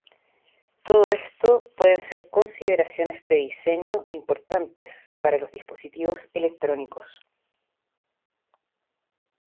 Todo esto pueden ser consideraciones de diseño importantes para los dispositivos electrónicos.